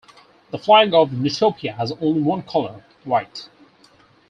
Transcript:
The flag of Nutopia has only one colour: white.